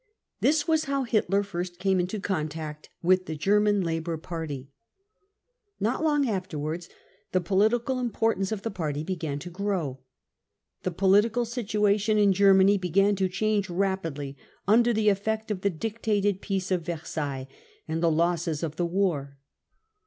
This was how Hitler first came into contact with the " German Labour Party." Not long afterwards the political importance of the party began to grow. The political situation in Germany began to change rapidly under the effect of the dictated Peace of Versailles and the losses of the War.